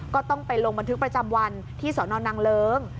ก็ต้องไปลงบันทึกประจำวันที่สอนอนนางเลิ้ง